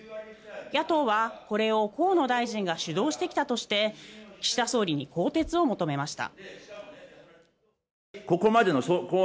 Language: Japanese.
野党はこれを河野大臣が主導してきたとして岸田総理に更迭を求めました。